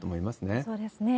そうですね。